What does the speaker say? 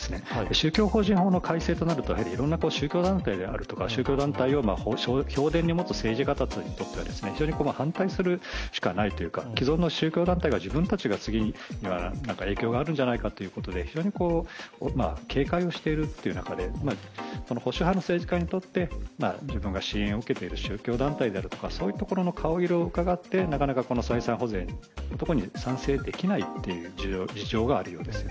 宗教法人法の改正となると、いろいろな宗教団体とか宗教団体を票田に持つ政治家たちにとっては非常に反対するしかないというか、既存の宗教団体が自分たちが次に影響があるんじゃないかと非常に警戒をしている中で、保守派の政治家にとって自分が支援を受けている宗教団体とかの顔色をうかがってなかなか財産保全に賛成できないという事情があるようです。